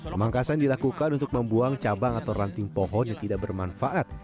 pemangkasan dilakukan untuk membuang cabang atau ranting pohon yang tidak bermanfaat